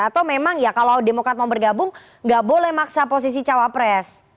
atau memang ya kalau demokrat mau bergabung nggak boleh maksa posisi cawapres